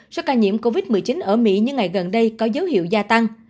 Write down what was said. do ca nhiễm covid một mươi chín ở mỹ như ngày gần đây có dấu hiệu gia tăng